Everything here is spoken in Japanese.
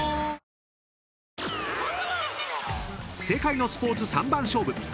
［世界のスポーツ三番勝負。